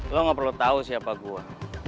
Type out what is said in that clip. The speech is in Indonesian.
lo gak perlu tau siapa gue